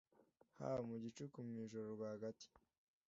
haba mu gicuku mu ijoro rwagati